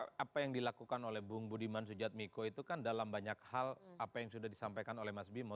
ya saya kira apa yang dilakukan oleh bu budiman suciadmiko itu kan dalam banyak hal apa yang sudah disampaikan oleh mas bimo